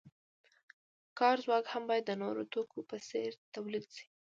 کاري ځواک هم باید د نورو توکو په څیر تولید شي.